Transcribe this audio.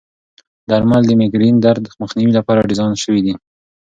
درمل د مېګرین درد مخنیوي لپاره ډیزاین شوي دي.